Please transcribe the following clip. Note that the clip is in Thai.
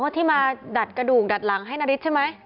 ที่มาดัดกระดูกดัดหลังให้นาริสใช่ไหม